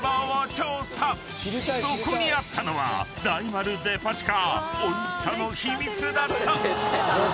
［そこにあったのは大丸デパ地下おいしさの秘密だった！］